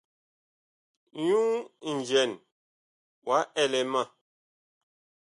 Nyuŋ njɛn wa ɛlɛ ma.